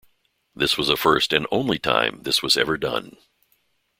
This was a first and only time this was ever done.